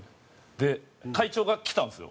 で会長が来たんですよ。